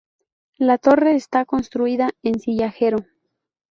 La torre está construida en sillarejo.